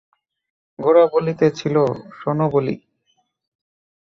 গোরা বলিতেছিল, শোনো বলি।